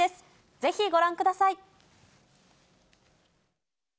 ぜひご覧ください。